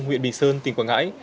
huyện bình sơn tỉnh quảng ngãi